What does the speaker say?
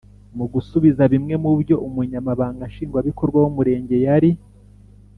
mu gusubiza bimwe mu byo umunyamabanga nshingwabikorwa w’umurenge yari